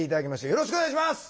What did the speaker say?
よろしくお願いします！